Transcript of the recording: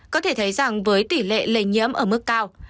có thể thấy rằng với tỷ lệ lây nhiễm ở mức cao